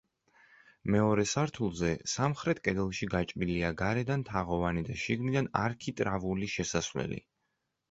მეორე სართულზე, სამხრეთ კედელში გაჭრილია გარედან თაღოვანი და შიგნიდან არქიტრავული შესასვლელი.